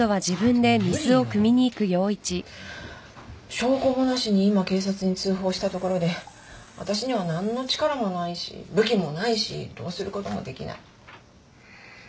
証拠もなしに今警察に通報したところで私には何の力もないし武器もないしどうすることもできない。